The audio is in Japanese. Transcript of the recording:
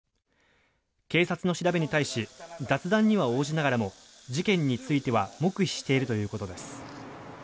警察の調べに対し雑談には応じながらも事件については黙秘しているということです。